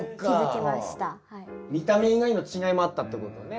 見た目以外の違いもあったってことね。